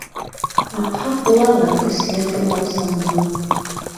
Аҡһаҡ булһа ла, көслө, тыңлаусан мал...